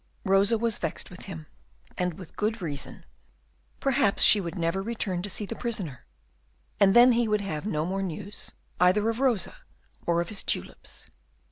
Rosa was vexed with him, and with good reason. Perhaps she would never return to see the prisoner, and then he would have no more news, either of Rosa or of his tulips.